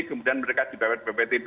kemudian mereka dibawet bawetin